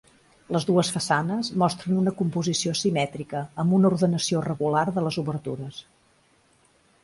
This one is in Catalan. Les dues façanes mostren una composició simètrica, amb una ordenació regular de les obertures.